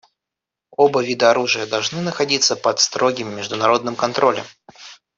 Оба вида оружия должны находиться под строгим международным контролем.